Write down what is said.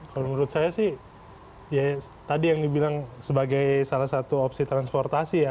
kalau menurut saya sih ya tadi yang dibilang sebagai salah satu opsi transportasi ya